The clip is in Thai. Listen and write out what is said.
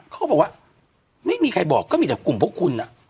เขาบอกว่าไม่มีใครบอกก็มีแต่กลุ่มพวกคุณ